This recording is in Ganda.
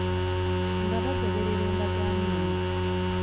Nga bagoberera endagaano eno